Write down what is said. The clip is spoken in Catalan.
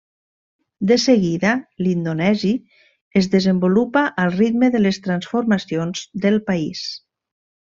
De seguida, l'indonesi es desenvolupa al ritme de les transformacions del país.